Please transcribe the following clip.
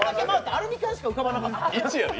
アルミ缶しか浮かばなかった？